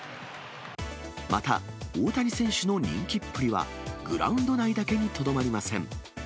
また大谷選手の人気っぷりは、グラウンド内だけにとどまりません。